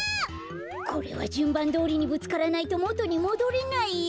これはじゅんばんどおりにぶつからないともとにもどれないよ。